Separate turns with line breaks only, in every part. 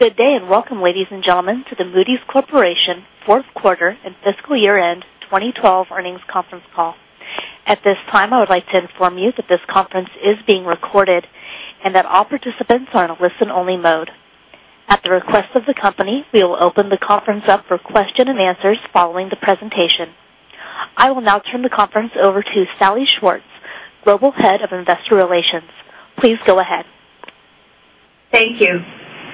Good day, welcome, ladies and gentlemen, to the Moody's Corporation fourth quarter and fiscal year-end 2012 earnings conference call. At this time, I would like to inform you that this conference is being recorded, and that all participants are in a listen-only mode. At the request of the company, we will open the conference up for question and answers following the presentation. I will now turn the conference over to Salli Schwartz, Global Head of Investor Relations. Please go ahead.
Thank you.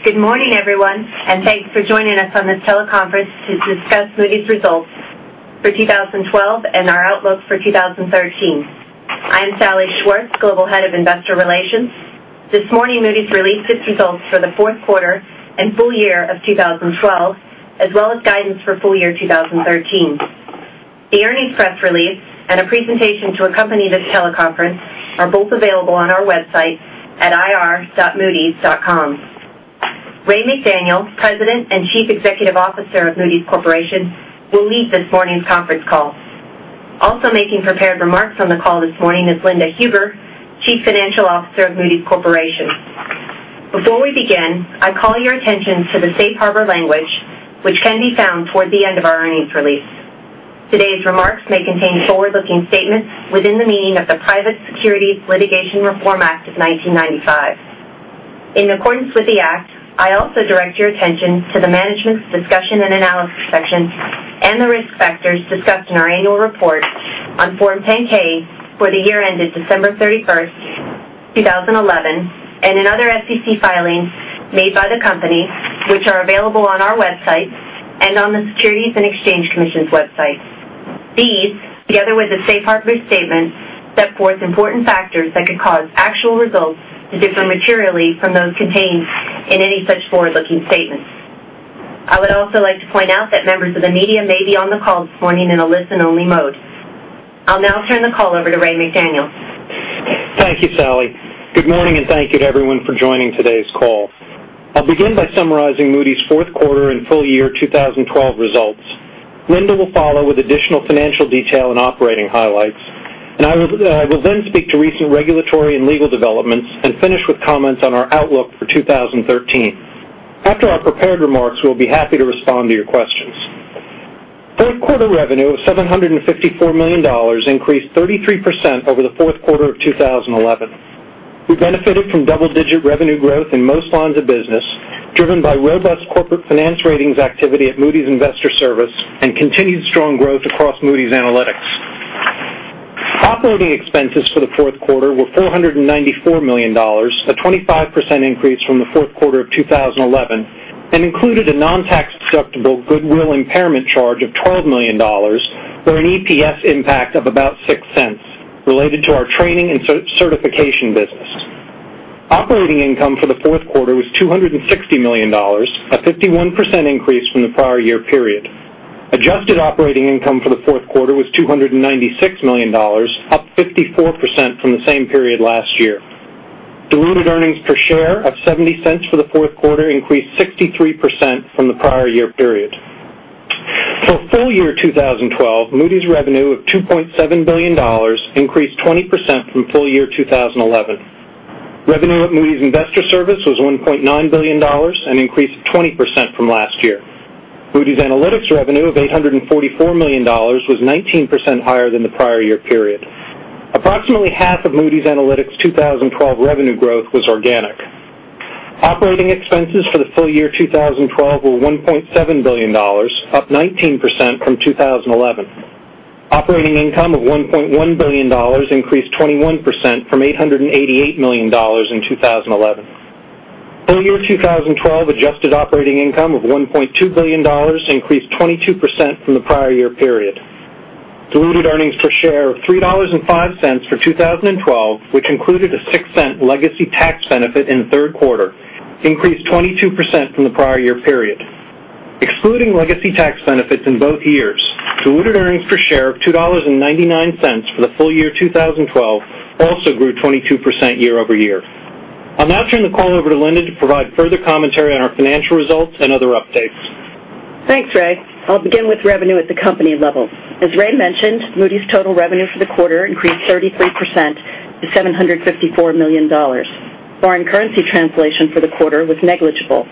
Good morning, everyone, thanks for joining us on this teleconference to discuss Moody's results for 2012 and our outlook for 2013. I am Salli Schwartz, Global Head of Investor Relations. This morning, Moody's released its results for the fourth quarter and full year of 2012, as well as guidance for full year 2013. The earnings press release and a presentation to accompany this teleconference are both available on our website at ir.moodys.com. Ray McDaniel, President and Chief Executive Officer of Moody's Corporation, will lead this morning's conference call. Also making prepared remarks on the call this morning is Linda Huber, Chief Financial Officer of Moody's Corporation. Before we begin, I call your attention to the safe harbor language, which can be found toward the end of our earnings release. Today's remarks may contain forward-looking statements within the meaning of the Private Securities Litigation Reform Act of 1995. In accordance with the act, I also direct your attention to the management's discussion and analysis section, the risk factors discussed in our annual report on Form 10-K for the year ended December 31st, 2011, and in other SEC filings made by the company, which are available on our website and on the Securities and Exchange Commission's website. These, together with the safe harbor statement, set forth important factors that could cause actual results to differ materially from those contained in any such forward-looking statements. I would also like to point out that members of the media may be on the call this morning in a listen-only mode. I'll now turn the call over to Ray McDaniel.
Thank you, Salli. Good morning, thank you to everyone for joining today's call. I'll begin by summarizing Moody's fourth quarter and full year 2012 results. Linda will follow with additional financial detail and operating highlights. I will then speak to recent regulatory and legal developments and finish with comments on our outlook for 2013. After our prepared remarks, we'll be happy to respond to your questions. Fourth quarter revenue of $754 million increased 33% over the fourth quarter of 2011. We benefited from double-digit revenue growth in most lines of business, driven by robust corporate finance ratings activity at Moody's Investors Service and continued strong growth across Moody's Analytics. Operating expenses for the fourth quarter were $494 million, a 25% increase from the fourth quarter of 2011, and included a non-tax-deductible goodwill impairment charge of $12 million, or an EPS impact of about $0.06 related to our training and certification business. Operating income for the fourth quarter was $260 million, a 51% increase from the prior year period. Adjusted operating income for the fourth quarter was $296 million, up 54% from the same period last year. Diluted earnings per share of $0.70 for the fourth quarter increased 63% from the prior year period. For full year 2012, Moody's revenue of $2.7 billion increased 20% from full year 2011. Revenue at Moody's Investors Service was $1.9 billion and increased 20% from last year. Moody's Analytics revenue of $844 million was 19% higher than the prior year period. Approximately half of Moody's Analytics' 2012 revenue growth was organic. Operating expenses for the full year 2012 were $1.7 billion, up 19% from 2011. Operating income of $1.1 billion increased 21% from $888 million in 2011. Full year 2012 adjusted operating income of $1.2 billion increased 22% from the prior year period. Diluted earnings per share of $3.05 for 2012, which included a $0.06 legacy tax benefit in the third quarter, increased 22% from the prior year period. Excluding legacy tax benefits in both years, diluted earnings per share of $2.99 for the full year 2012 also grew 22% year-over-year. I'll now turn the call over to Linda to provide further commentary on our financial results and other updates.
Thanks, Ray. I'll begin with revenue at the company level. As Ray mentioned, Moody's total revenue for the quarter increased 33% to $754 million. Foreign currency translation for the quarter was negligible.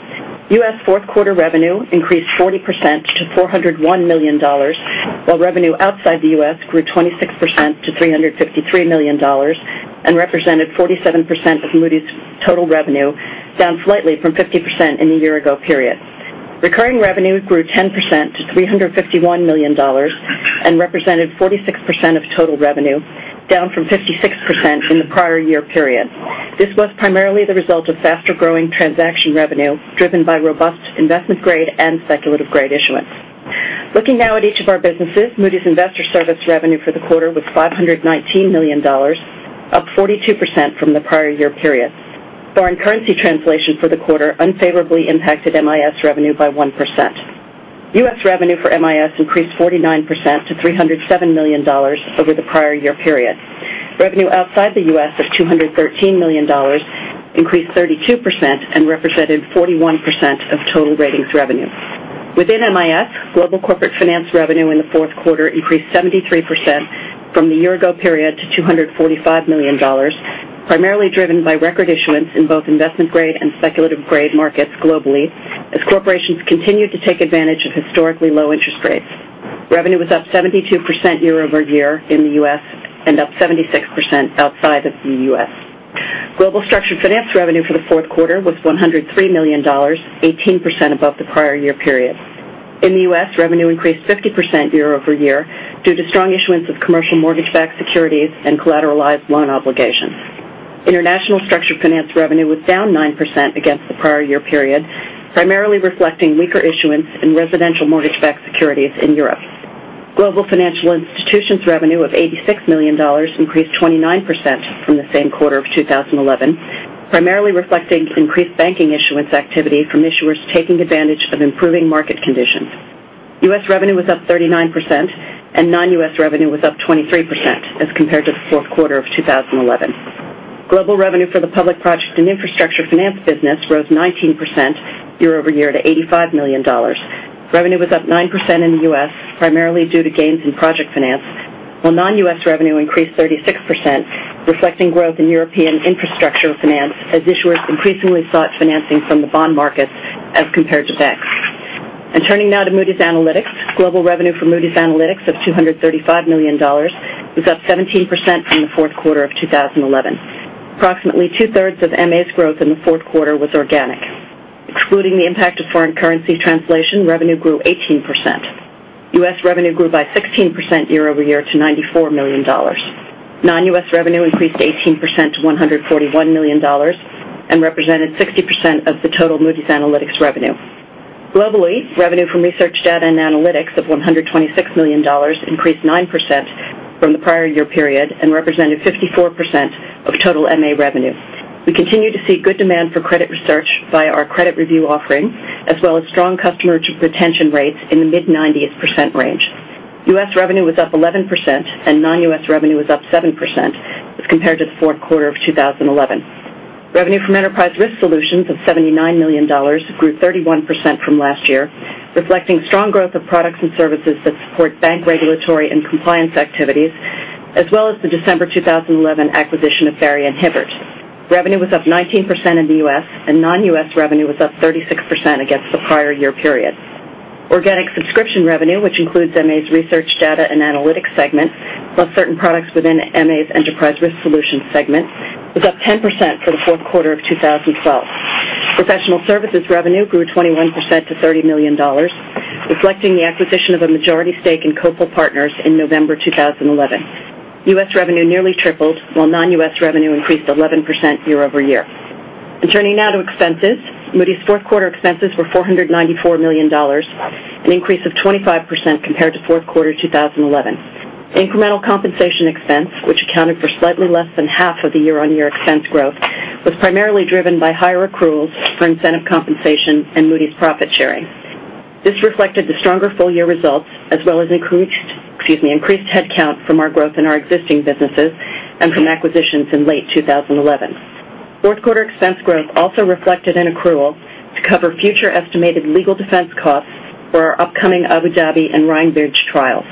U.S. fourth quarter revenue increased 40% to $401 million, while revenue outside the U.S. grew 26% to $353 million, and represented 47% of Moody's total revenue, down slightly from 50% in the year ago period. Recurring revenue grew 10% to $351 million and represented 46% of total revenue, down from 56% in the prior year period. This was primarily the result of faster-growing transaction revenue driven by robust investment-grade and speculative-grade issuance. Looking now at each of our businesses, Moody's Investors Service revenue for the quarter was $519 million, up 42% from the prior year period. Foreign currency translation for the quarter unfavorably impacted MIS revenue by 1%.
U.S. revenue for MIS increased 49% to $307 million over the prior year period. Revenue outside the U.S. of $213 million increased 32% and represented 41% of total ratings revenue.
Within MIS, global corporate finance revenue in the fourth quarter increased 73% from the year-ago period to $245 million, primarily driven by record issuance in both investment-grade and speculative-grade markets globally as corporations continued to take advantage of historically low interest rates. Revenue was up 72% year-over-year in the U.S. and up 76% outside of the U.S. Global structured finance revenue for the fourth quarter was $103 million, 18% above the prior year period. In the U.S., revenue increased 50% year-over-year due to strong issuance of commercial mortgage-backed securities and collateralized loan obligations. International structured finance revenue was down 9% against the prior year period, primarily reflecting weaker issuance in residential mortgage-backed securities in Europe. Global financial institutions revenue of $86 million increased 29% from the same quarter of 2011, primarily reflecting increased banking issuance activity from issuers taking advantage of improving market conditions. U.S. revenue was up 39%, non-U.S. revenue was up 23% as compared to the fourth quarter of 2011. Global revenue for the public projects and infrastructure finance business rose 19% year-over-year to $85 million. Revenue was up 9% in the U.S., primarily due to gains in project finance, while non-U.S. revenue increased 36%, reflecting growth in European infrastructure finance as issuers increasingly sought financing from the bond markets as compared to banks. Turning now to Moody's Analytics. Global revenue for Moody's Analytics of $235 million was up 17% from the fourth quarter of 2011. Approximately two-thirds of MA's growth in the fourth quarter was organic. Excluding the impact of foreign currency translation, revenue grew 18%. U.S. revenue grew by 16% year-over-year to $94 million. Non-U.S. revenue increased 18% to $141 million and represented 60% of the total Moody's Analytics revenue. Globally, revenue from Research Data and Analytics of $126 million increased 9% from the prior year period and represented 54% of total MA revenue. We continue to see good demand for credit research via our credit review offerings, as well as strong customer retention rates in the mid-90th percent range. U.S. revenue was up 11%, non-U.S. revenue was up 7% as compared to the fourth quarter of 2011. Revenue from Enterprise Risk Solutions of $79 million grew 31% from last year, reflecting strong growth of products and services that support bank regulatory and compliance activities, as well as the December 2011 acquisition of Barrie & Hibbert. Revenue was up 19% in the U.S., non-U.S. revenue was up 36% against the prior year period. Organic subscription revenue, which includes MA's Research Data and Analytics segment, plus certain products within MA's Enterprise Risk Solutions segment, was up 10% for the fourth quarter of 2012. Professional services revenue grew 21% to $30 million, reflecting the acquisition of a majority stake in Copal Partners in November 2011. U.S. revenue nearly tripled, while non-U.S. revenue increased 11% year-over-year. Turning now to expenses. Moody's fourth quarter expenses were $494 million, an increase of 25% compared to fourth quarter 2011. Incremental compensation expense, which accounted for slightly less than half of the year-on-year expense growth, was primarily driven by higher accruals for incentive compensation and Moody's profit-sharing. This reflected the stronger full-year results as well as increased headcount from our growth in our existing businesses and from acquisitions in late 2011. Fourth quarter expense growth also reflected an accrual to cover future estimated legal defense costs for our upcoming Abu Dhabi and Rhinebridge trials.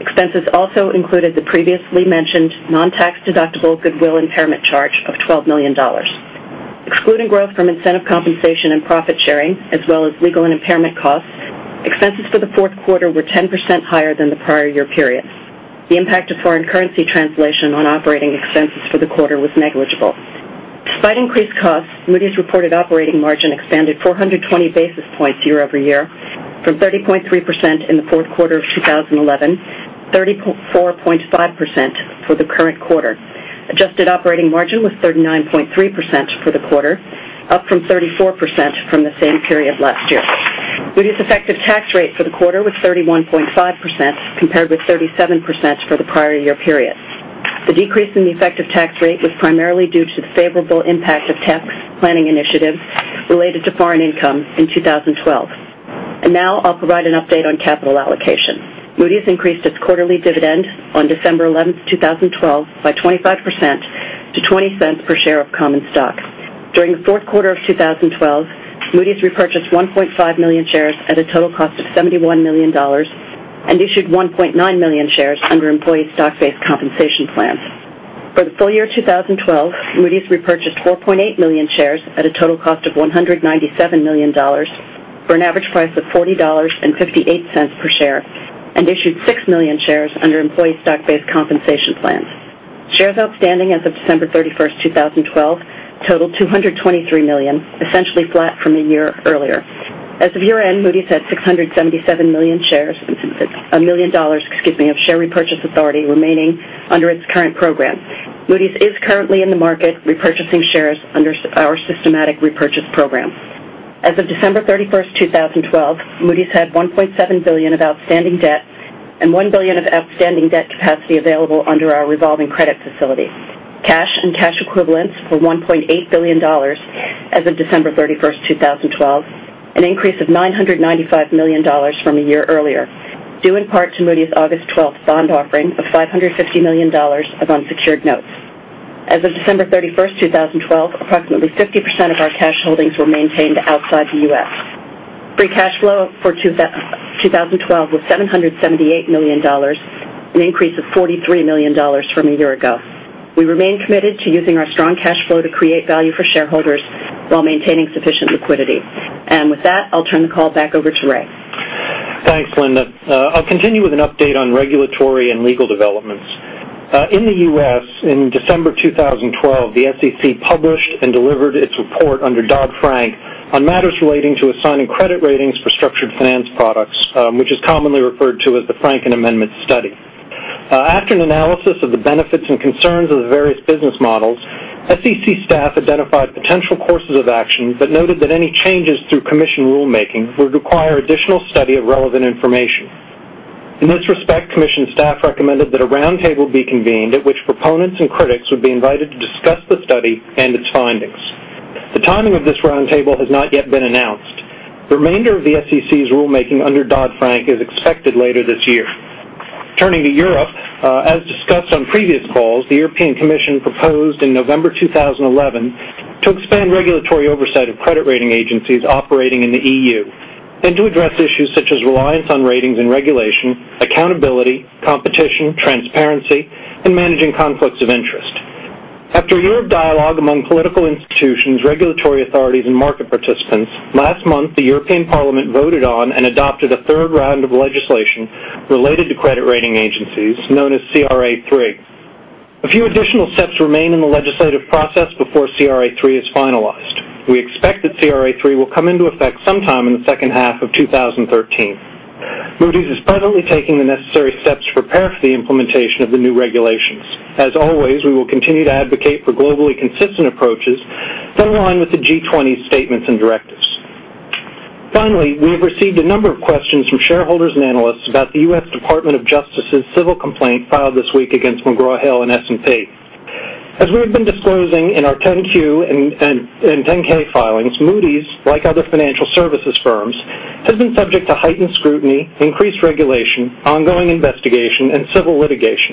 Expenses also included the previously mentioned non-tax-deductible goodwill impairment charge of $12 million. Excluding growth from incentive compensation and profit-sharing, as well as legal and impairment costs, expenses for the fourth quarter were 10% higher than the prior year period. The impact of foreign currency translation on operating expenses for the quarter was negligible. Despite increased costs, Moody's reported operating margin expanded 420 basis points year-over-year from 30.3% in the fourth quarter of 2011, 34.5% for the current quarter. Adjusted operating margin was 39.3% for the quarter, up from 34% from the same period last year. Moody's effective tax rate for the quarter was 31.5%, compared with 37% for the prior year period. The decrease in the effective tax rate was primarily due to the favorable impact of tax planning initiatives related to foreign income in 2012. Now I'll provide an update on capital allocation. Moody's increased its quarterly dividend on December 11th, 2012 by 25% to $0.20 per share of common stock. During the fourth quarter of 2012, Moody's repurchased 1.5 million shares at a total cost of $71 million and issued 1.9 million shares under employee stock-based compensation plans. For the full year 2012, Moody's repurchased 4.8 million shares at a total cost of $197 million for an average price of $40.58 per share and issued six million shares under employee stock-based compensation plans. Shares outstanding as of December 31st, 2012 totaled 223 million, essentially flat from a year earlier. As of year-end, Moody's had $677 million of share repurchase authority remaining under its current program. Moody's is currently in the market repurchasing shares under our systematic repurchase program. As of December 31st, 2012, Moody's had $1.7 billion of outstanding debt and $1 billion of outstanding debt capacity available under our revolving credit facility. Cash and cash equivalents were $1.8 billion as of December 31st, 2012, an increase of $995 million from a year earlier, due in part to Moody's August 12th bond offering of $550 million of unsecured notes. As of December 31st, 2012, approximately 50% of our cash holdings were maintained outside the U.S. Free cash flow for 2012 was $778 million, an increase of $43 million from a year ago. We remain committed to using our strong cash flow to create value for shareholders while maintaining sufficient liquidity. With that, I'll turn the call back over to Ray.
Thanks, Linda. I'll continue with an update on regulatory and legal developments. In the U.S., in December 2012, the SEC published and delivered its report under Dodd-Frank on matters relating to assigning credit ratings for structured finance products, which is commonly referred to as the Franken Amendment study. After an analysis of the benefits and concerns of the various business models, SEC staff identified potential courses of action, but noted that any changes through commission rulemaking would require additional study of relevant information. In this respect, commission staff recommended that a roundtable be convened at which proponents and critics would be invited to discuss the study and its findings. The timing of this roundtable has not yet been announced. The remainder of the SEC's rulemaking under Dodd-Frank is expected later this year. Turning to Europe, as discussed on previous calls, the European Commission proposed in November 2011 to expand regulatory oversight of credit rating agencies operating in the EU and to address issues such as reliance on ratings and regulation, accountability, competition, transparency, and managing conflicts of interest. After a year of dialogue among political institutions, regulatory authorities, and market participants, last month, the European Parliament voted on and adopted a third round of legislation related to credit rating agencies known as CRA3. A few additional steps remain in the legislative process before CRA3 is finalized. We expect that CRA3 will come into effect sometime in the second half of 2013. Moody's is presently taking the necessary steps to prepare for the implementation of the new regulations. As always, we will continue to advocate for globally consistent approaches that align with the G20 statements and directives. Finally, we have received a number of questions from shareholders and analysts about the U.S. Department of Justice's civil complaint filed this week against McGraw-Hill and S&P. As we have been disclosing in our 10-Q and 10-K filings, Moody's, like other financial services firms, has been subject to heightened scrutiny, increased regulation, ongoing investigation, and civil litigation.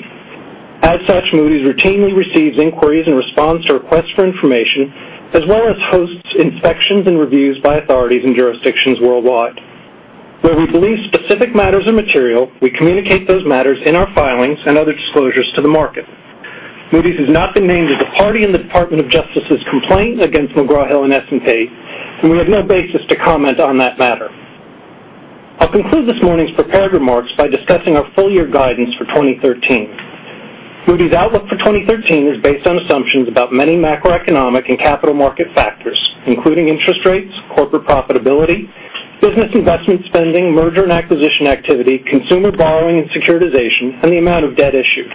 As such, Moody's routinely receives inquiries in response to requests for information, as well as hosts inspections and reviews by authorities and jurisdictions worldwide. Where we believe specific matters are material, we communicate those matters in our filings and other disclosures to the market. Moody's has not been named as a party in the Department of Justice's complaint against McGraw-Hill and S&P, and we have no basis to comment on that matter. I'll conclude this morning's prepared remarks by discussing our full-year guidance for 2013. Moody's outlook for 2013 is based on assumptions about many macroeconomic and capital market factors, including interest rates, corporate profitability, business investment spending, merger and acquisition activity, consumer borrowing and securitization, and the amount of debt issued.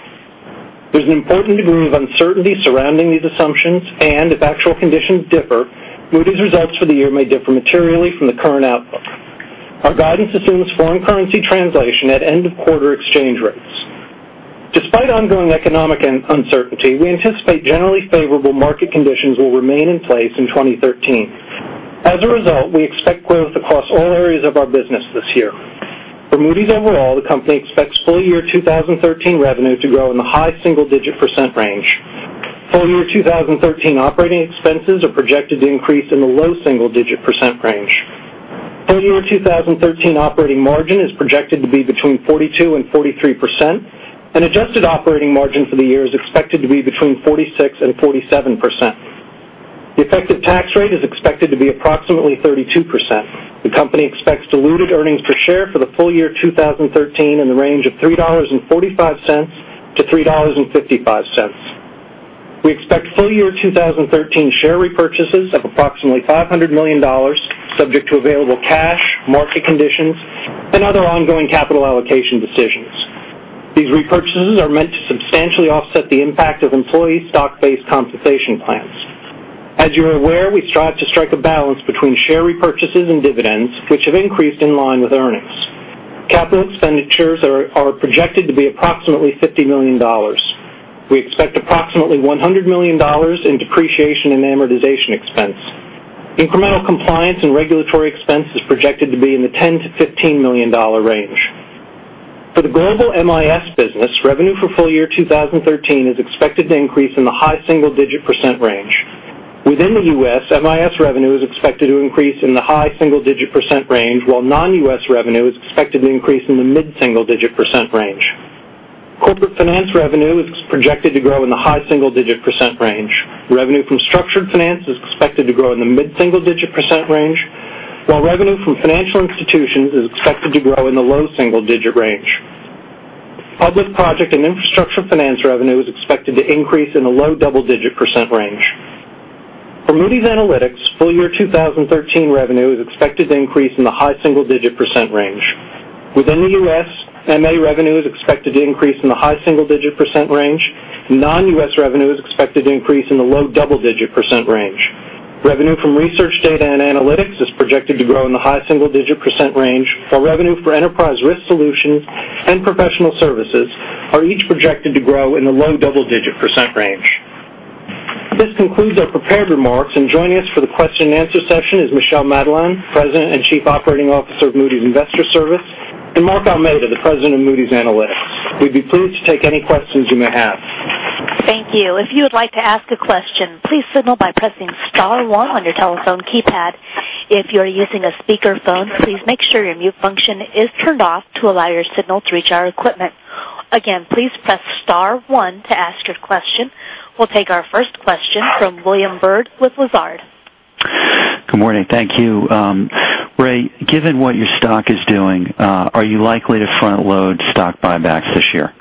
There's an important degree of uncertainty surrounding these assumptions, and if actual conditions differ, Moody's results for the year may differ materially from the current outlook. Our guidance assumes foreign currency translation at end-of-quarter exchange rates. Despite ongoing economic uncertainty, we anticipate generally favorable market conditions will remain in place in 2013. As a result, we expect growth across all areas of our business this year. For Moody's overall, the company expects full-year 2013 revenue to grow in the high single-digit % range. Full-year 2013 operating expenses are projected to increase in the low single-digit % range. Full-year 2013 operating margin is projected to be between 42% and 43%, and adjusted operating margin for the year is expected to be between 46% and 47%. The effective tax rate is expected to be approximately 32%. The company expects diluted earnings per share for the full year 2013 in the range of $3.45-$3.55. We expect full-year 2013 share repurchases of approximately $500 million subject to available cash, market conditions, and other ongoing capital allocation decisions. These repurchases are meant to substantially offset the impact of employee stock-based compensation plans. As you are aware, we strive to strike a balance between share repurchases and dividends, which have increased in line with earnings. Capital expenditures are projected to be approximately $50 million. We expect approximately $100 million in depreciation and amortization expense. Incremental compliance and regulatory expense is projected to be in the $10 million-$15 million range. For the global MIS business, revenue for full-year 2013 is expected to increase in the high single-digit % range. Within the U.S., MIS revenue is expected to increase in the high single-digit % range, while non-U.S. revenue is expected to increase in the mid-single-digit % range. Corporate finance revenue is projected to grow in the high single-digit % range. Revenue from structured finance is expected to grow in the mid-single-digit % range, while revenue from financial institutions is expected to grow in the low single-digit % range. Public project and infrastructure finance revenue is expected to increase in the low double-digit % range. For Moody's Analytics, full-year 2013 revenue is expected to increase in the high single-digit % range. Within the U.S., MA revenue is expected to increase in the high single-digit % range. Non-U.S. revenue is expected to increase in the low double-digit % range. Revenue from research data and analytics is projected to grow in the high single-digit % range, while revenue for enterprise risk solutions and professional services are each projected to grow in the low double-digit % range. This concludes our prepared remarks. Joining us for the question and answer session is Michel Madelain, President and Chief Operating Officer of Moody's Investors Service, and Mark Almeida, the President of Moody's Analytics. We'd be pleased to take any questions you may have.
Thank you. If you would like to ask a question, please signal by pressing star one on your telephone keypad. If you're using a speakerphone, please make sure your mute function is turned off to allow your signal to reach our equipment. Again, please press star one to ask your question. We'll take our first question from William Bird with Lazard.
Good morning. Thank you. Ray, given what your stock is doing, are you likely to front-load stock buybacks this year?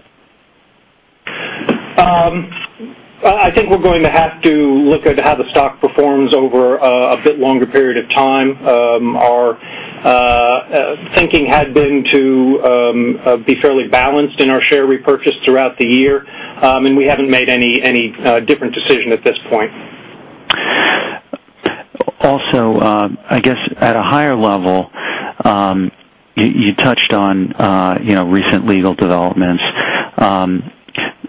I think we're going to have to look at how the stock performs over a bit longer period of time. Our thinking had been to be fairly balanced in our share repurchase throughout the year. We haven't made any different decision at this point.
Also, I guess at a higher level, you touched on recent legal developments.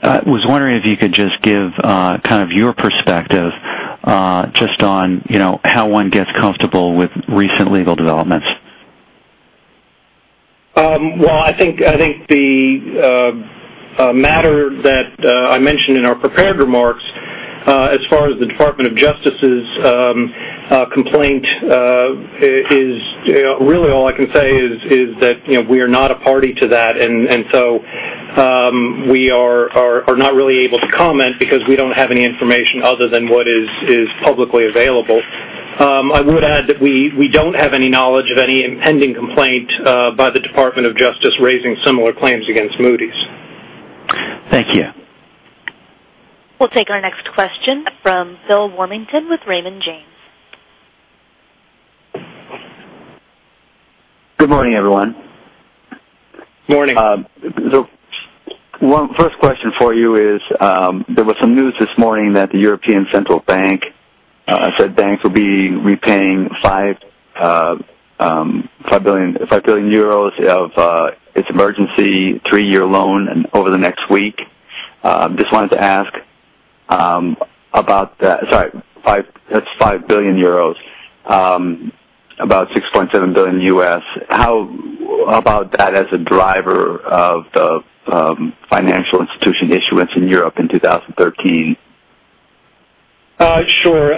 I was wondering if you could just give your perspective just on how one gets comfortable with recent legal developments.
Well, I think the matter that I mentioned in our prepared remarks, as far as the Department of Justice's complaint, really all I can say is that we are not a party to that. We are not really able to comment because we don't have any information other than what is publicly available. I would add that we don't have any knowledge of any impending complaint by the Department of Justice raising similar claims against Moody's.
Thank you.
We'll take our next question from Patrick O'Shaughnessy with Raymond James.
Good morning, everyone.
Morning.
One first question for you is, there was some news this morning that the European Central Bank said banks will be repaying €5 billion of its emergency three-year loan over the next week. Just wanted to ask about that. Sorry, that's €5 billion. About $6.7 billion U.S. How about that as a driver of the financial institution issuance in Europe in 2013?
Sure.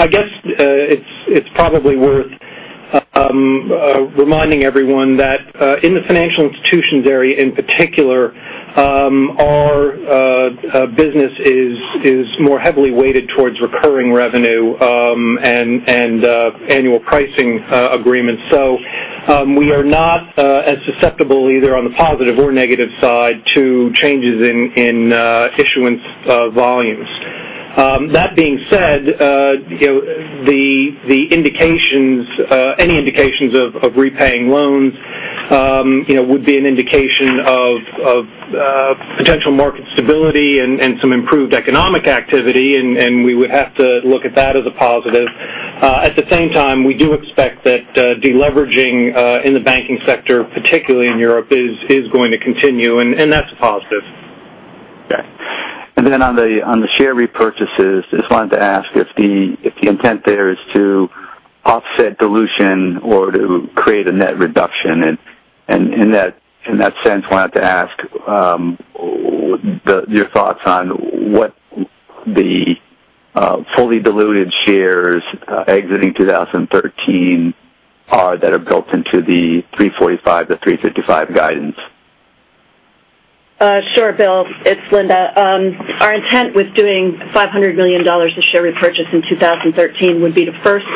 I guess it's probably worth reminding everyone that, in the financial institutions area in particular, our business is more heavily weighted towards recurring revenue, and annual pricing agreements. We are not as susceptible either on the positive or negative side to changes in issuance volumes. That being said, any indications of repaying loans would be an indication of potential market stability and some improved economic activity, and we would have to look at that as a positive. At the same time, we do expect that de-leveraging in the banking sector, particularly in Europe, is going to continue, and that's a positive.
Okay. On the share repurchases, just wanted to ask if the intent there is to offset dilution or to create a net reduction. In that sense, wanted to ask your thoughts on what the fully diluted shares exiting 2013 are that are built into the 345 to 355 guidance.
Sure, Bill. It's Linda. Our intent with doing $500 million of share repurchase in 2013 would be to first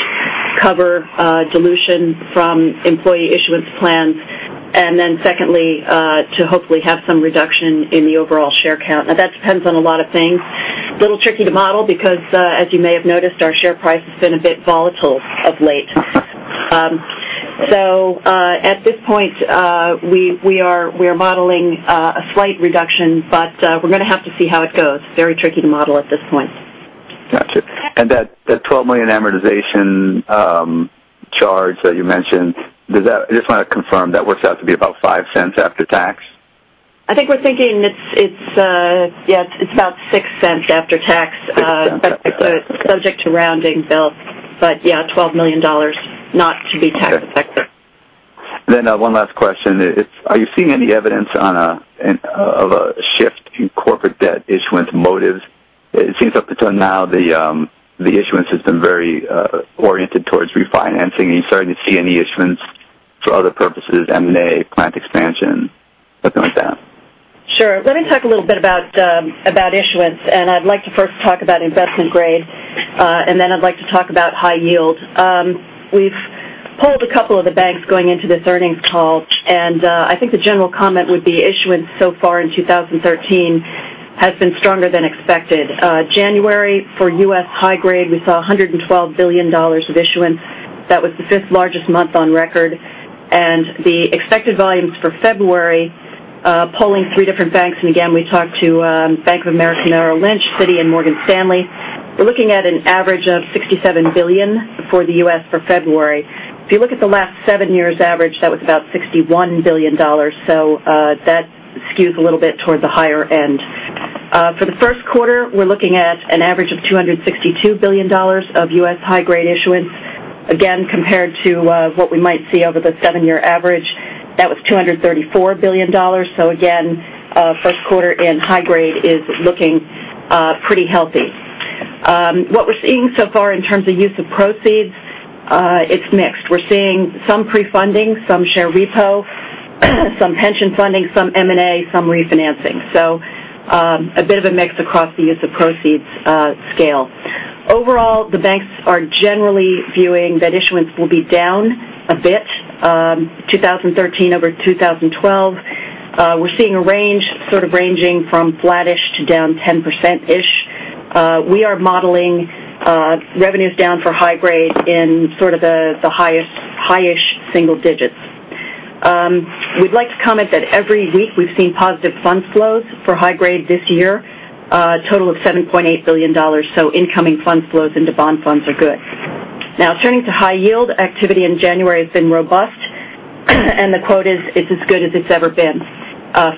cover dilution from employee issuance plans, secondly to hopefully have some reduction in the overall share count. That depends on a lot of things. Little tricky to model because, as you may have noticed, our share price has been a bit volatile of late. At this point, we are modeling a slight reduction, but we're going to have to see how it goes. Very tricky to model at this point.
Got you. That $12 million amortization charge that you mentioned, I just want to confirm, that works out to be about $0.05 after tax?
I think we're thinking it's about $0.06 after tax.
$0.06.
Subject to rounding, Bill. Yeah, $12 million not to be tax affected.
One last question. Are you seeing any evidence of a shift in corporate debt issuance motives? It seems up until now, the issuance has been very oriented towards refinancing. Are you starting to see any issuance for other purposes, M&A, plant expansion, something like that?
Sure. Let me talk a little bit about issuance, and I'd like to first talk about investment grade, and then I'd like to talk about high yield. We've polled a couple of the banks going into this earnings call, and I think the general comment would be issuance so far in 2013 has been stronger than expected. January, for U.S. high grade, we saw $112 billion of issuance. That was the fifth largest month on record. The expected volumes for February, polling three different banks, and again, we talked to Bank of America Merrill Lynch, Citi, and Morgan Stanley. We're looking at an average of $67 billion for the U.S. for February. If you look at the last seven years average, that was about $61 billion. That skews a little bit towards the higher end. For the first quarter, we're looking at an average of $262 billion of U.S. high-grade issuance. Again, compared to what we might see over the seven-year average, that was $234 billion. Again, first quarter in high grade is looking pretty healthy. What we're seeing so far in terms of use of proceeds, it's mixed. We're seeing some pre-funding, some share repo, some pension funding, some M&A, some refinancing. A bit of a mix across the use of proceeds scale. Overall, the banks are generally viewing that issuance will be down a bit, 2013 over 2012. We're seeing a range sort of ranging from flat-ish to down 10%-ish. We are modeling revenues down for high grade in sort of the high-ish single digits. We'd like to comment that every week we've seen positive funds flows for high grade this year, a total of $7.8 billion. Incoming funds flows into bond funds are good. Now, turning to high yield, activity in January has been robust, and the quote is, "It's as good as it's ever been."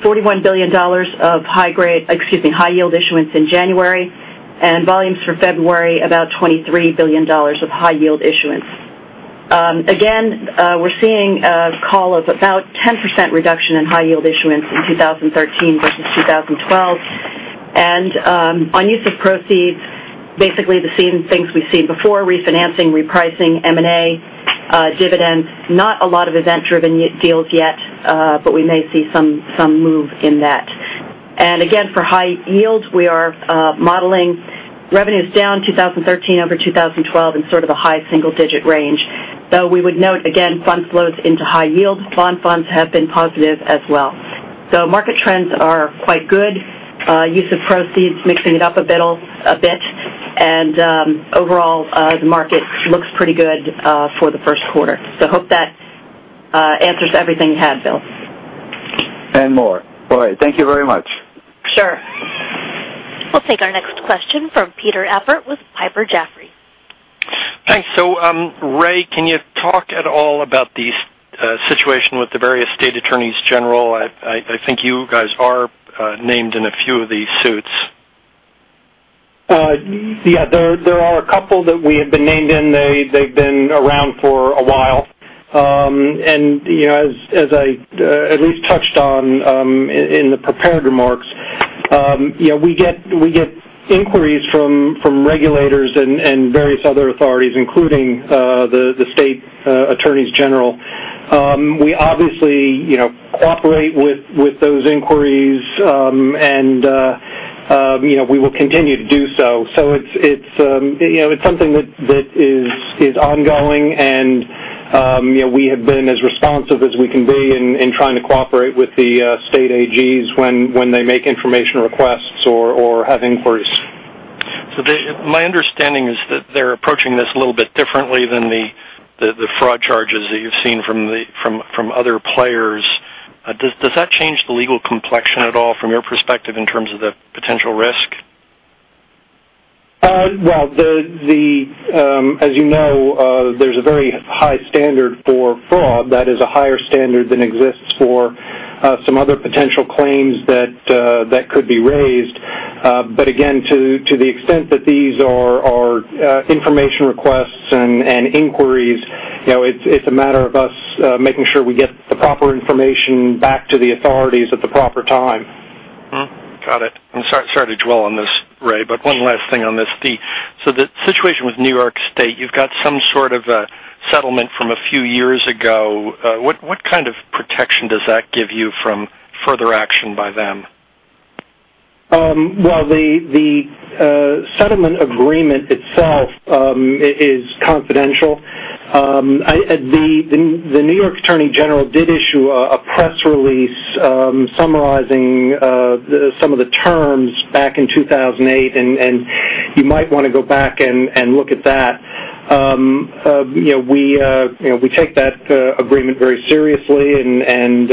$41 billion of high yield issuance in January, and volumes for February, about $23 billion of high yield issuance. Again, we're seeing a call of about 10% reduction in high yield issuance in 2013 versus 2012. On use of proceeds, basically the same things we've seen before, refinancing, repricing, M&A, dividends, not a lot of event-driven deals yet, but we may see some move in that. Again, for high yields, we are modeling revenues down 2013 over 2012 in sort of a high single-digit range. Though we would note, again, fund flows into high yields, bond funds have been positive as well. Market trends are quite good. Use of proceeds, mixing it up a bit. Overall, the market looks pretty good for the first quarter. Hope that answers everything you had, Bill.
More. All right. Thank you very much.
Sure.
We'll take our next question from Peter Appert with Piper Jaffray.
Thanks. Ray, can you talk at all about the situation with the various state attorneys general? I think you guys are named in a few of these suits.
Yeah. There are a couple that we have been named in. They've been around for a while. As I at least touched on in the prepared remarks, we get inquiries from regulators and various other authorities, including the state attorneys general. We obviously cooperate with those inquiries, and we will continue to do so. It's something that is ongoing, and we have been as responsive as we can be in trying to cooperate with the state AGs when they make information requests or have inquiries.
My understanding is that they're approaching this a little bit differently than the fraud charges that you've seen from other players. Does that change the legal complexion at all from your perspective in terms of the potential risk?
Well, as you know, there's a very high standard for fraud that is a higher standard than exists for some other potential claims that could be raised. Again, to the extent that these are information requests and inquiries, it's a matter of us making sure we get the proper information back to the authorities at the proper time.
Got it. Sorry to dwell on this, Ray, one last thing on this. The situation with New York State, you've got some sort of a settlement from a few years ago. What kind of protection does that give you from further action by them?
Well, the settlement agreement itself is confidential. The New York Attorney General did issue a press release summarizing some of the terms back in 2008. You might want to go back and look at that. We take that agreement very seriously and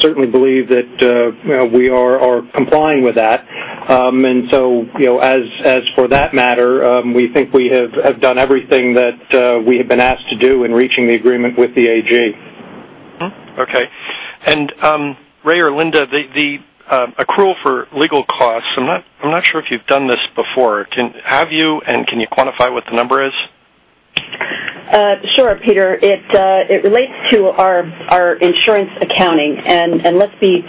certainly believe that we are complying with that. As for that matter, we think we have done everything that we have been asked to do in reaching the agreement with the AG.
Okay. Ray or Linda, the accrual for legal costs, I'm not sure if you've done this before. Have you, can you quantify what the number is?
Sure, Peter. It relates to our insurance accounting. Let's be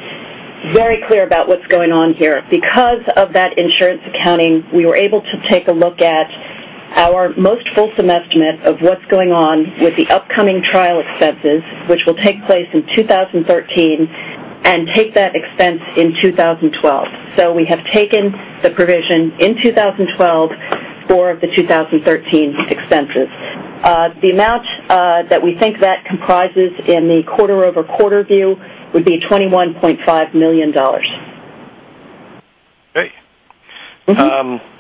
very clear about what's going on here. Because of that insurance accounting, we were able to take a look at our most fulsome estimate of what's going on with the upcoming trial expenses, which will take place in 2013, and take that expense in 2012. We have taken the provision in 2012 for the 2013 expenses. The amount that we think that comprises in the quarter-over-quarter view would be $21.5 million.
Great.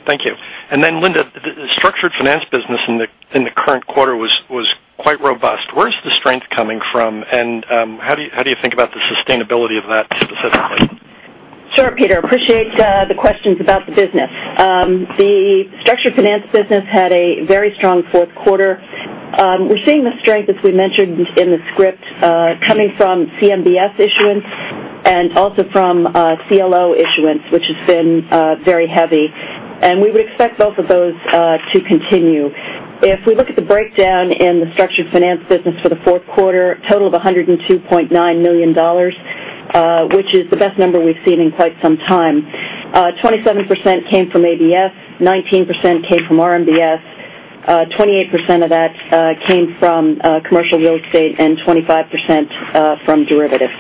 Thank you. Linda, the structured finance business in the current quarter was quite robust. Where's the strength coming from, and how do you think about the sustainability of that too?
Sure, Peter. Appreciate the questions about the business. The structured finance business had a very strong fourth quarter. We're seeing the strength, as we mentioned in the script, coming from CMBS issuance and also from CLO issuance, which has been very heavy. We would expect both of those to continue. If we look at the breakdown in the structured finance business for the fourth quarter, a total of $102.9 million, which is the best number we've seen in quite some time. 27% came from ABS, 19% came from RMBS, 28% of that came from commercial real estate, and 25% from derivatives.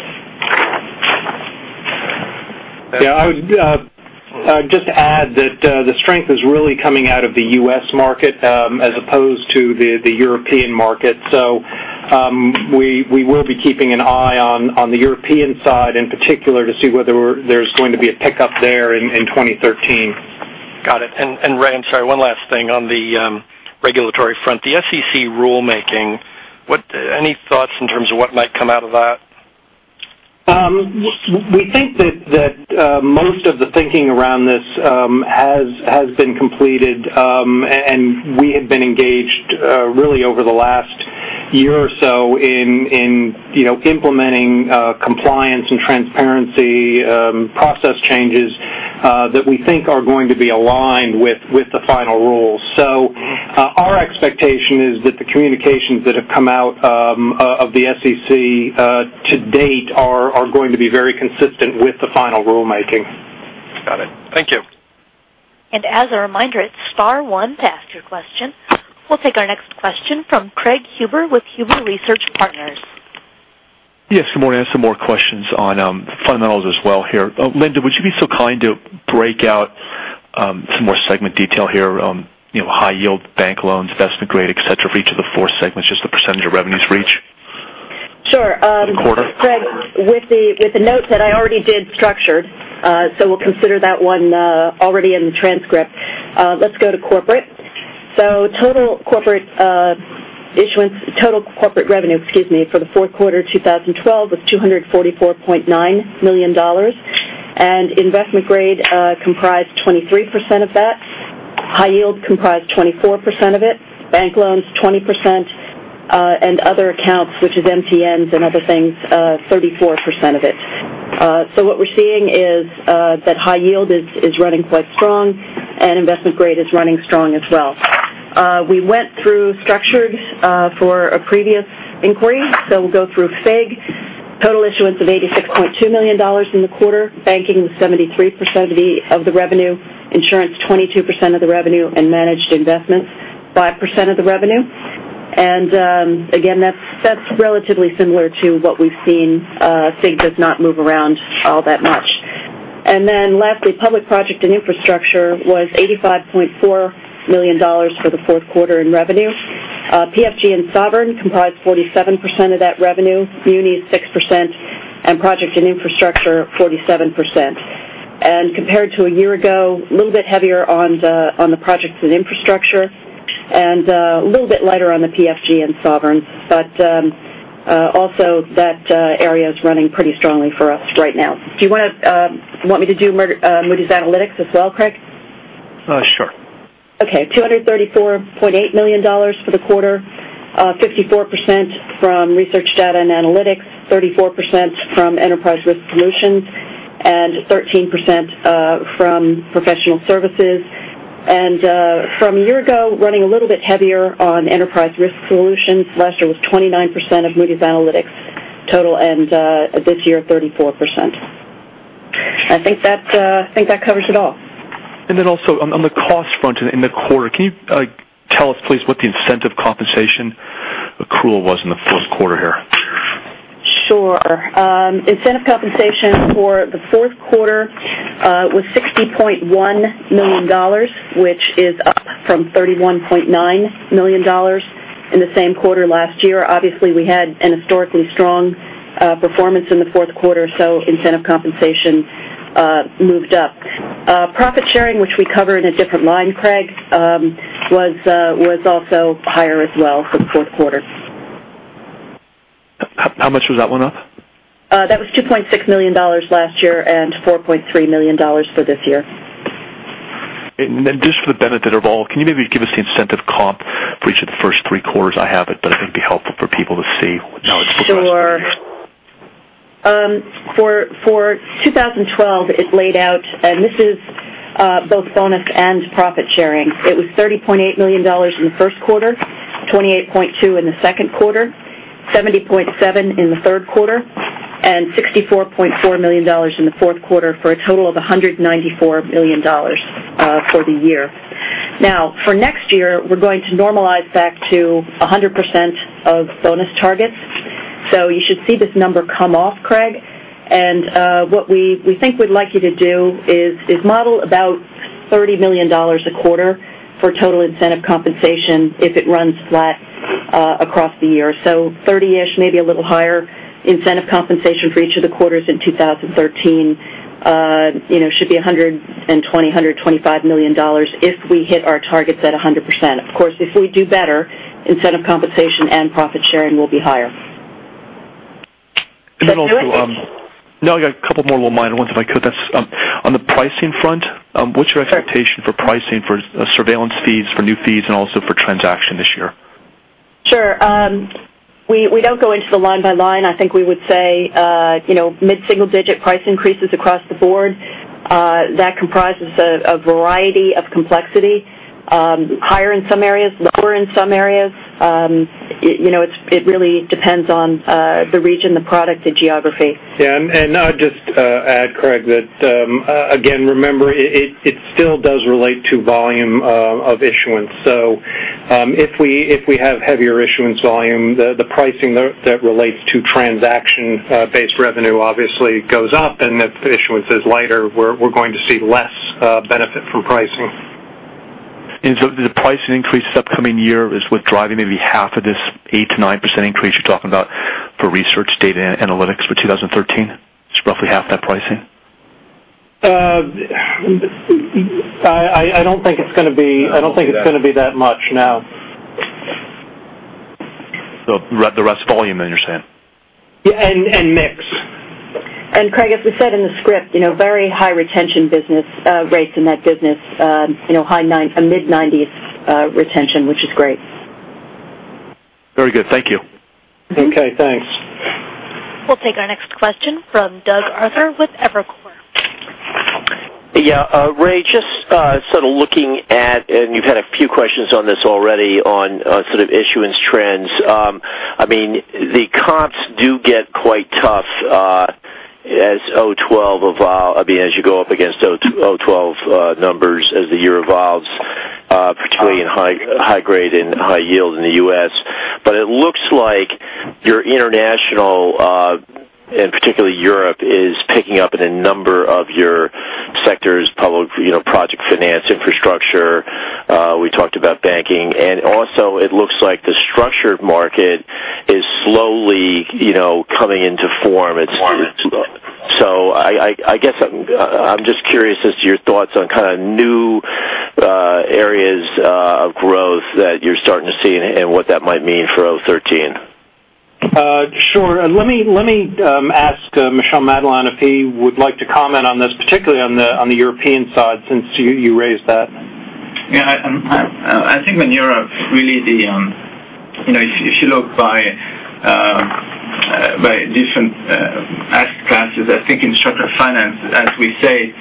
Yeah. I would just add that the strength is really coming out of the U.S. market as opposed to the European market. We will be keeping an eye on the European side in particular to see whether there's going to be a pickup there in 2013.
Got it. Ray, I'm sorry, one last thing. On the regulatory front, the SEC rulemaking, any thoughts in terms of what might come out of that?
We think that most of the thinking around this has been completed, we had been engaged really over the last year or so in implementing compliance and transparency process changes that we think are going to be aligned with the final rules. Our expectation is that the communications that have come out of the SEC to date are going to be very consistent with the final rulemaking.
Got it. Thank you.
As a reminder, it's star one to ask your question. We'll take our next question from Craig Huber with Huber Research Partners.
Yes, good morning. I have some more questions on fundamentals as well here. Linda, would you be so kind to break out some more segment detail here on high yield bank loans, investment grade, et cetera, for each of the 4 segments, just the % of revenues for each?
Sure.
The quarter.
Craig, with the note that I already did structured, we'll consider that one already in the transcript. Let's go to corporate. Total corporate revenue for the fourth quarter 2012 was $244.9 million, investment grade comprised 23% of that. High yield comprised 24% of it, bank loans 20%, and other accounts, which is MTNs and other things, 34% of it. What we're seeing is that high yield is running quite strong, investment grade is running strong as well. We went through structured for a previous inquiry, we'll go through FIG. Total issuance of $86.2 million in the quarter. Banking was 73% of the revenue, insurance 22% of the revenue, and managed investments 5% of the revenue. Again, that's relatively similar to what we've seen. FIG does not move around all that much. Lastly, public project and infrastructure was $85.4 million for the fourth quarter in revenue. PFG and sovereign comprised 47% of that revenue, muni 6%, and project and infrastructure 47%. Compared to a year ago, a little bit heavier on the projects and infrastructure, and a little bit lighter on the PFG and sovereign. Also that area is running pretty strongly for us right now. Do you want me to do Moody's Analytics as well, Craig?
Sure.
Okay. $234.8 million for the quarter. 54% from Research, Data and Analytics, 34% from Enterprise Risk Solutions, and 13% from professional services. From a year-ago, running a little bit heavier on Enterprise Risk Solutions. Last year was 29% of Moody's Analytics total, and this year, 34%. I think that covers it all.
Also on the cost front in the quarter, can you tell us, please, what the incentive compensation accrual was in the fourth quarter here?
Sure. Incentive compensation for the fourth quarter was $60.1 million, which is up from $31.9 million in the same quarter last year. Obviously, we had an historically strong performance in the fourth quarter, so incentive compensation moved up. Profit sharing, which we cover in a different line, Craig, was also higher as well for the fourth quarter.
How much was that one up?
That was $2.6 million last year and $4.3 million for this year.
Just for the benefit of all, can you maybe give us the incentive comp for each of the first three quarters? I have it, but I think it'd be helpful for people to see how it's progressed through the year.
Sure. For 2012, it laid out, and this is both bonus and profit sharing. It was $30.8 million in the first quarter, $28.2 million in the second quarter, $70.7 million in the third quarter, and $64.4 million in the fourth quarter for a total of $194 million for the year. For next year, we're going to normalize back to 100% of bonus targets. You should see this number come off, Craig. What we think we'd like you to do is model about $30 million a quarter for total incentive compensation if it runs flat across the year. 30-ish, maybe a little higher incentive compensation for each of the quarters in 2013 should be $120-$125 million if we hit our targets at 100%. If we do better, incentive compensation and profit-sharing will be higher.
Also-
So if you're-
No, I got a couple more little minor ones, if I could.
Sure
What's your expectation for pricing for surveillance fees, for new fees, and also for transaction this year?
Sure. We don't go into the line by line. I think we would say mid-single digit price increases across the board. That comprises a variety of complexity. Higher in some areas, lower in some areas. It really depends on the region, the product, the geography.
I'd just add, Craig, that again, remember, it still does relate to volume of issuance. If we have heavier issuance volume, the pricing that relates to transaction-based revenue obviously goes up. If the issuance is lighter, we're going to see less benefit from pricing.
The pricing increase this upcoming year is what's driving maybe half of this 8%-9% increase you're talking about for Research, Data, and Analytics for 2013? It's roughly half that pricing?
I don't think it's going to be that much, no.
The rest volume, then, you're saying?
Yeah, mix.
Craig, as we said in the script, very high retention rates in that business. High mid-90% retention, which is great.
Very good. Thank you.
Okay, thanks.
We'll take our next question from Doug Arthur with Evercore.
Yeah. Ray, just sort of looking at, you've had a few questions on this already, on issuance trends. The comps do get quite tough as you go up against 2002, 2012 numbers as the year evolves between high grade and high yield in the U.S. It looks like your international, and particularly Europe, is picking up in a number of your sectors, project finance, infrastructure. We talked about banking. Also, it looks like the structured market is slowly coming into form. I guess I'm just curious as to your thoughts on kind of new areas of growth that you're starting to see and what that might mean for 2013.
Sure. Let me ask Michel Madelain if he would like to comment on this, particularly on the European side, since you raised that.
Yeah. I think in Europe, really, if you look by different asset classes, I think in structured finance, as we say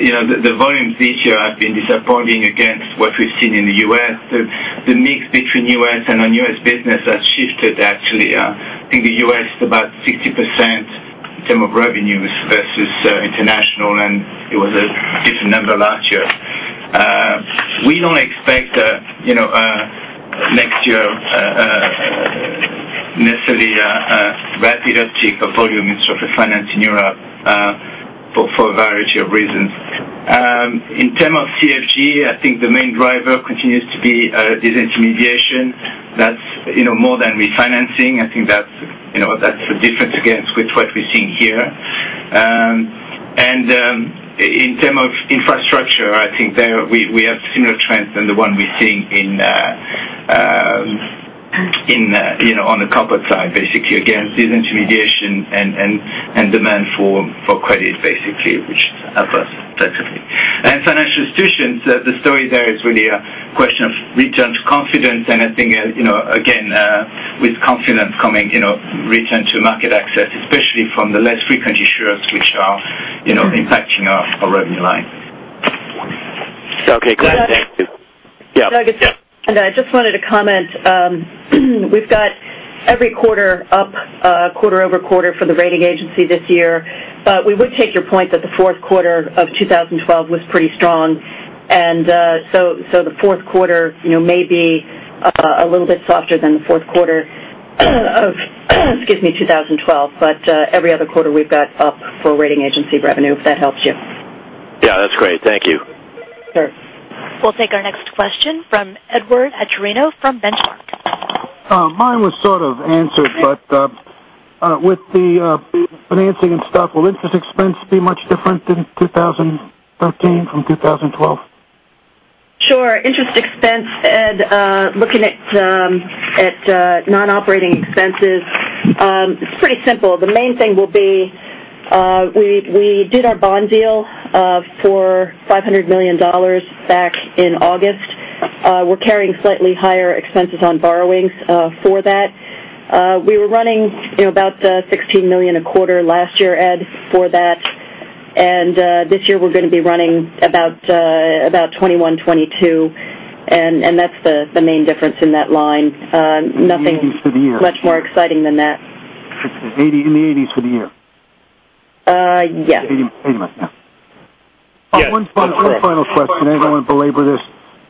the volume this year has been disappointing against what we've seen in the U.S. The mix between U.S. and non-U.S. business has shifted, actually. I think the U.S. is about 60% in term of revenues versus international, and it was a different number last year. We don't expect next year necessarily a rapid uptick of volume in structured finance in Europe, for a variety of reasons. In term of CFG, I think the main driver continues to be disintermediation. That's more than refinancing. I think that's the difference against with what we're seeing here. In term of infrastructure, I think there we have similar trends than the one we're seeing on the corporate side, basically. Again, disintermediation and demand for credit, basically, which is adverse, basically. Financial institutions, the story there is really a question of return to confidence. I think again, with confidence coming, return to market access, especially from the less frequent issuers, which are impacting our revenue line.
Okay, great. Thank you.
Doug.
Yeah.
Doug, it's Linda. I just wanted to comment. We've got every quarter up quarter-over-quarter for the rating agency this year. We would take your point that the fourth quarter of 2012 was pretty strong. The fourth quarter may be a little bit softer than the fourth quarter of excuse me, 2012. Every other quarter, we've got up for rating agency revenue, if that helps you.
Yeah, that's great. Thank you.
Sure.
We'll take our next question from Edward Atorino from Benchmark.
Mine was sort of answered, with the financing and stuff, will interest expense be much different in 2013 from 2012?
Sure. Interest expense, Ed, looking at non-operating expenses, it's pretty simple. The main thing will be we did our bond deal for $500 million back in August. We're carrying slightly higher expenses on borrowings for that. We were running about $16 million a quarter last year, Ed, for that. This year we're going to be running about $21 million-$22 million. That's the main difference in that line.
80s for the year?
much more exciting than that.
In the 80s for the year?
Yes.
$80 million, yeah.
Yes.
One final question. I don't want to belabor this.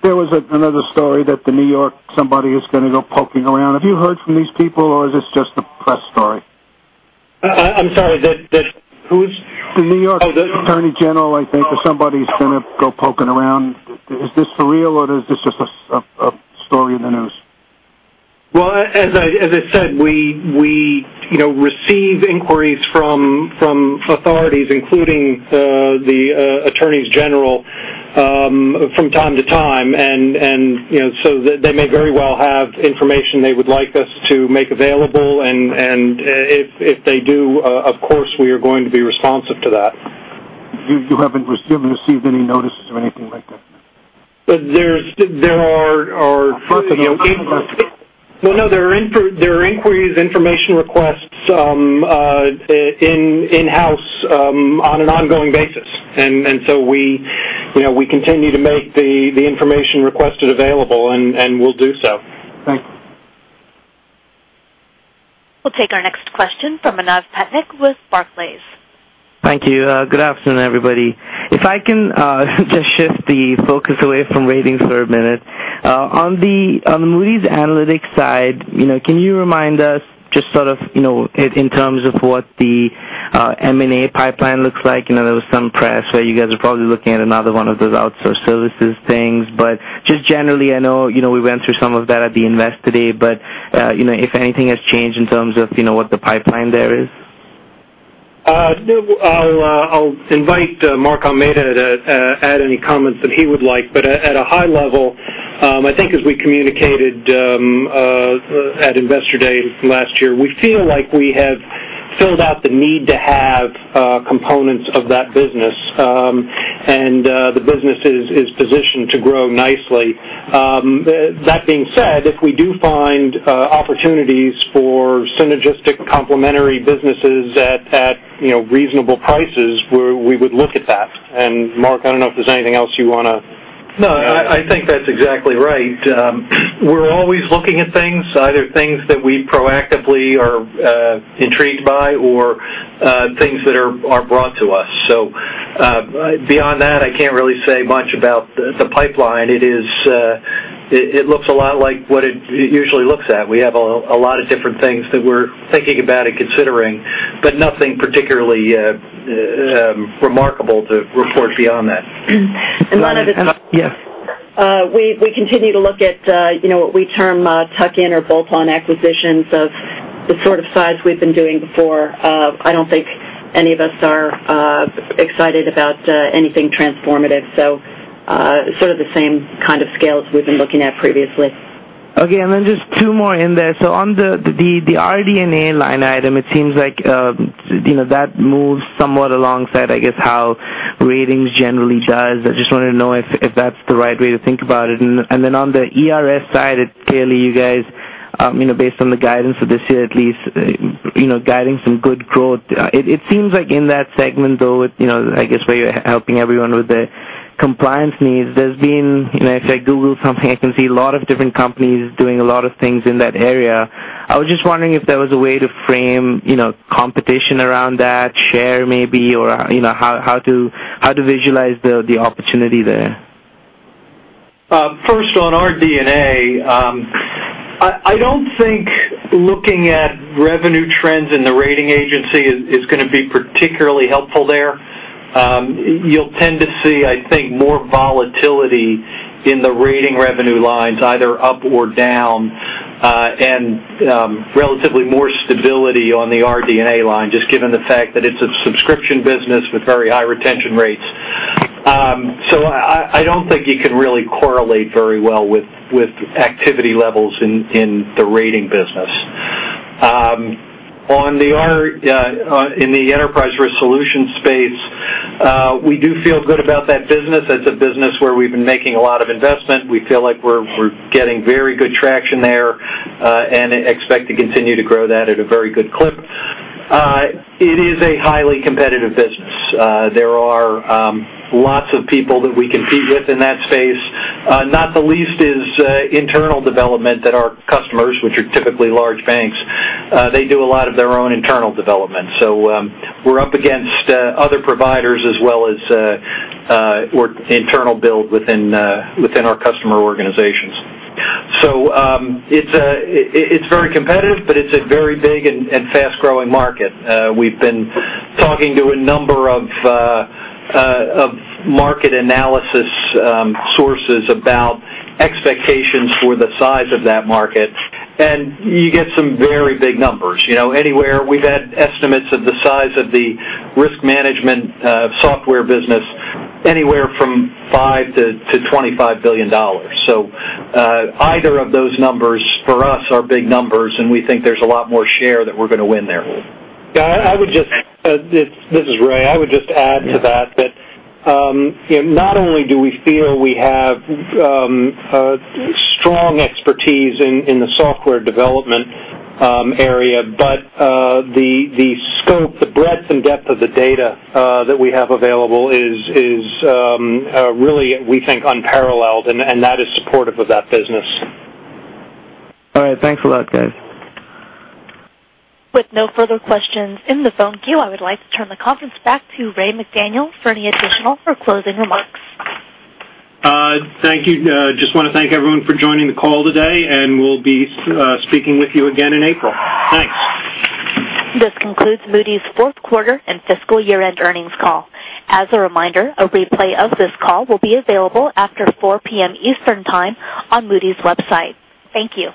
There was another story that the New York, somebody is going to go poking around. Have you heard from these people, or is this just a press story?
I'm sorry.
The New York Attorney General, I think, or somebody's going to go poking around. Is this for real, or is this just a story in the news?
Well, as I said, we receive inquiries from authorities, including the attorneys general, from time to time, and so they may very well have information they would like us to make available, and if they do, of course, we are going to be responsive to that.
You haven't received any notices or anything like that?
No, there are inquiries, information requests in-house on an ongoing basis. We continue to make the information requested available, and we'll do so.
Thanks.
We'll take our next question from Manav Patnaik with Barclays.
Thank you. Good afternoon, everybody. If I can just shift the focus away from ratings for a minute. On the Moody's Analytics side, can you remind us just sort of in terms of what the M&A pipeline looks like? There was some press where you guys are probably looking at another one of those outsource services things, just generally, I know we went through some of that at the Investor Day, if anything has changed in terms of what the pipeline there is.
I'll invite Mark Almeida to add any comments that he would like. At a high level, I think as we communicated at Investor Day last year, we feel like we have filled out the need to have components of that business. The business is positioned to grow nicely. That being said, if we do find opportunities for synergistic complementary businesses at reasonable prices, we would look at that. Mark, I don't know if there's anything else you want to add.
No, I think that's exactly right. We're always looking at things, either things that we proactively are intrigued by or things that are brought to us. Beyond that, I can't really say much about the pipeline. It looks a lot like what it usually looks at. We have a lot of different things that we're thinking about and considering, but nothing particularly remarkable to report beyond that.
Manav.
And one of the-
Yes.
We continue to look at what we term tuck-in or bolt-on acquisitions of the sort of size we've been doing before. I don't think any of us are excited about anything transformative. Sort of the same kind of scales we've been looking at previously.
Okay, just two more in there. On the RD&A line item, it seems like that moves somewhat alongside, I guess, how ratings generally does. I just wanted to know if that's the right way to think about it. On the ERS side, clearly you guys, based on the guidance for this year at least, guiding some good growth. It seems like in that segment, though, I guess where you're helping everyone with the compliance needs, there's been, if I Google something, I can see a lot of different companies doing a lot of things in that area. I was just wondering if there was a way to frame competition around that, share maybe, or how to visualize the opportunity there.
First on RD&A, I don't think looking at revenue trends in the rating agency is going to be particularly helpful there. You'll tend to see, I think, more volatility in the rating revenue lines, either up or down, and relatively more stability on the RD&A line, just given the fact that it's a subscription business with very high retention rates. I don't think you can really correlate very well with activity levels in the rating business. In the enterprise risk solution space, we do feel good about that business. That's a business where we've been making a lot of investment. We feel like we're getting very good traction there, and expect to continue to grow that at a very good clip. It is a highly competitive business. There are lots of people that we compete with in that space. Not the least is internal development that our customers, which are typically large banks, they do a lot of their own internal development. We're up against other providers as well as internal build within our customer organizations. It's very competitive, but it's a very big and fast-growing market. We've been talking to a number of market analysis sources about expectations for the size of that market, and you get some very big numbers. We've had estimates of the size of the risk management software business anywhere from $5 billion-$25 billion. Either of those numbers for us are big numbers, and we think there's a lot more share that we're going to win there.
Yeah, this is Ray. I would just add to that not only do we feel we have strong expertise in the software development area, but the scope, the breadth, and depth of the data that we have available is really, we think, unparalleled, and that is supportive of that business.
All right. Thanks a lot, guys.
With no further questions in the phone queue, I would like to turn the conference back to Ray McDaniel for any additional or closing remarks.
Thank you. Just want to thank everyone for joining the call today. We'll be speaking with you again in April. Thanks.
This concludes Moody's fourth quarter and fiscal year-end earnings call. As a reminder, a replay of this call will be available after 4:00 P.M. Eastern Time on Moody's website. Thank you.